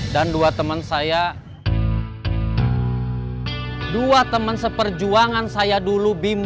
setelah kerjaan selesai